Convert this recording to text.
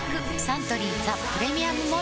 サントリー「ザ・プレミアム・モルツ」